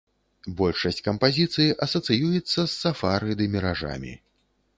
Большасць кампазіцый асацыюецца з сафары ды міражамі.